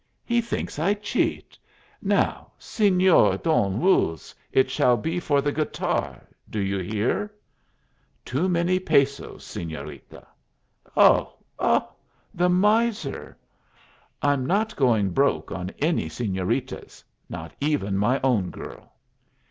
"He thinks I cheat! Now, Señor Don Ruz, it shall be for the guitar. Do you hear?" "Too many pesos, señorita." "Oh, oh! the miser!" "I'm not going broke on any señoritas not even my own girl!"